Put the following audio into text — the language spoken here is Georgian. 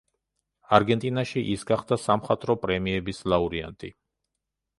არგენტინაში ის გახდა სამხატვრო პრემიების ლაურეატი.